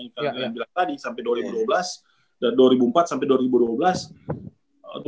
kami bilang tadi sampai dua ribu dua belas dua ribu empat sampai dua ribu dua belas